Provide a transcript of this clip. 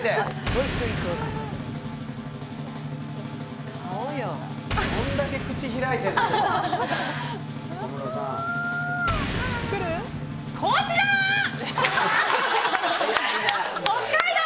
どんだけ口開いてるの。